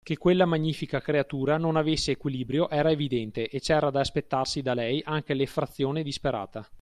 Che quella magnifica creatura non avesse equilibrio era evidente e c'era da aspettarsi da lei anche l'effrazione disperata.